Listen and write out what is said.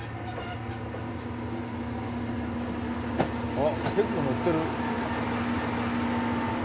あ結構乗ってる。